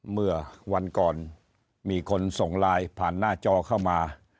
เมื่อวันก่อนมีคนส่งไลน์ผ่านหน้าจอเข้ามา